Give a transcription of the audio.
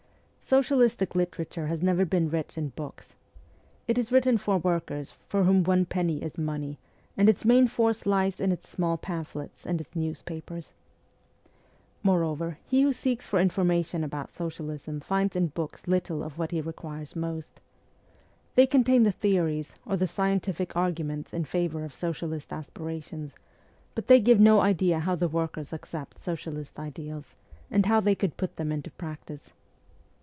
Socialistic literature has never been rich in books. It is written for workers, for whom one penny is money, and its main force lies in its small pamphlets and its newspapers. Moreover he who seeks for information about socialism finds in books little of what he requires most. They contain the theories or the scientific arguments in favour of socialist aspirations, but they give no idea how the workers accept socialist ideals, and how they could put them into practice.